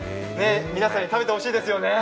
皆さんに食べてほしいですよね。